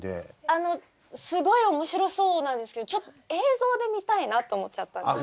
あのすごい面白そうなんですけどちょっと映像で見たいなと思っちゃったんですよね。